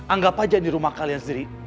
anggap aja di rumah kalian sendiri